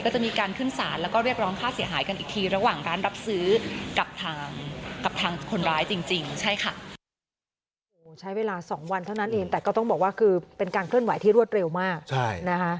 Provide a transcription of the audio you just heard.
ก็จะมีการขึ้นศาลแล้วก็เรียกร้องค่าเสียหายกันอีกทีระหว่างร้านรับซื้อกลับทางคนร้ายจริงใช่ค่ะ